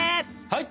はい！